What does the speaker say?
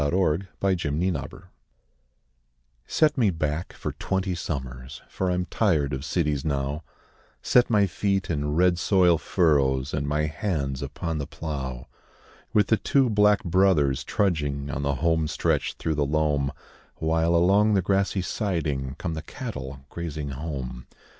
THE SHAKEDOWN ON THE FLOOR Set me back for twenty summers For I'm tired of cities now Set my feet in red soil furrows And my hands upon the plough, With the two 'Black Brothers' trudging On the home stretch through the loam While, along the grassy siding, Come the cattle grazing home.